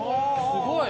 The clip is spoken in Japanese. すごい！